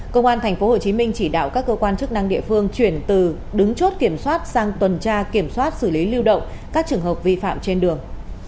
công an tp hcm chỉ đạo các cơ quan chức năng địa phương chuyển từ đứng chốt kiểm soát sang tuần tra kiểm soát xử lý lưu động các trường hợp vi phạm trên đường